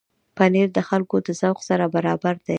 پنېر د خلکو د ذوق سره برابر دی.